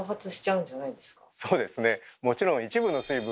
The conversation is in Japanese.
そうですね。